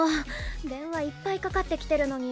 電話いっぱいかかってきてるのに。